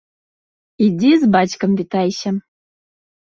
Ідзі з бацькам вітайся.